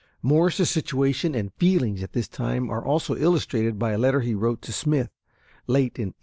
Morse's situation and feelings at this time are also illustrated by a letter he wrote to Smith late in 1841.